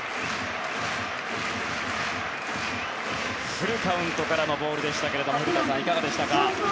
フルカウントからのボール古田さん、いかがでしたか。